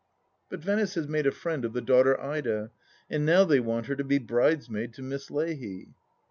But Venice has made a friend of the daughter Ida, and now they want her to be bridesmaid to Miss Leahy